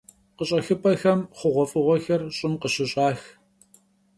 Khış'exıp'exem xhuğuef'ığuexer ş'ım khışış'ax.